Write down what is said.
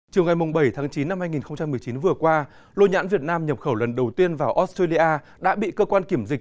chiều ngày bảy tháng chín năm hai nghìn một mươi chín vừa qua lô nhãn việt nam nhập khẩu lần đầu tiên vào australia đã bị cơ quan kiểm dịch